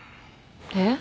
えっ？